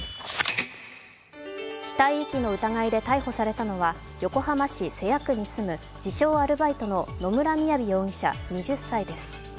死体遺棄の疑いで逮捕されたのは横浜市瀬谷区に住む自称アルバイトの野村雅容疑者２０歳です。